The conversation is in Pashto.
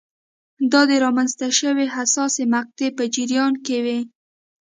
دا د رامنځته شوې حساسې مقطعې په جریان کې وې.